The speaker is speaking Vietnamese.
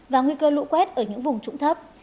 và nguy cơ lũ quét ở những vùng trụng thấp